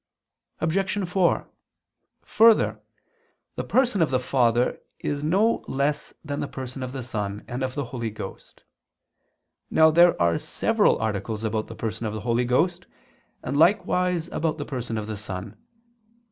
Obj. 4: Further, the Person of the Father is no less than the Person of the Son, and of the Holy Ghost. Now there are several articles about the Person of the Holy Ghost, and likewise about the Person of the Son.